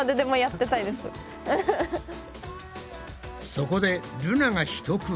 そこでルナが一工夫。